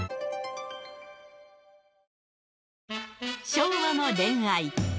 昭和の恋愛。